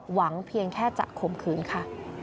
เพียงแค่จะข่มขืนค่ะ